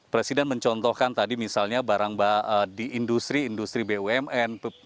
presiden mencontohkan tadi misalnya barang di industri industri bumn